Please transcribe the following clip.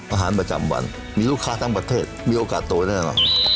อาหารประจำวันมีลูกค้าทั้งประเทศมีโอกาสโตได้หรือเปล่า